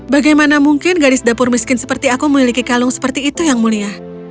bagaimana mungkin gadis dapur miskin seperti aku memiliki kalung seperti itu yang mulia